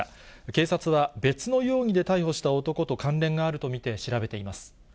警察は別の容疑で逮捕した男と関連があると見て調べています。